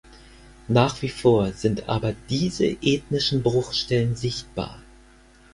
Nach wie vor sind aber diese ethnischen Bruchstellen sichtbar.